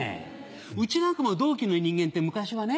うちなんかも同期の人間って昔はね